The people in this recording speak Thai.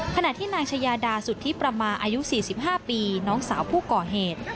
ขณะที่นางชายาดาสุธิประมาอายุ๔๕ปีน้องสาวผู้ก่อเหตุ